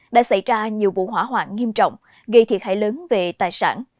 đã xảy ra nhiều vụ hỏa hoạn nghiêm trọng gây thiệt hại lớn về tài sản